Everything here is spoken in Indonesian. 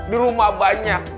di rumah banyak